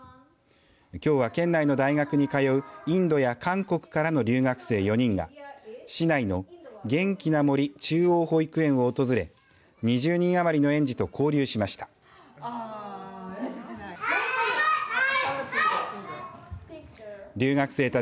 きょうは県内の大学に通うインドや韓国からの留学生４人が市内のげんきな森中央保育園を訪れ２０人余りの園児と交流しました。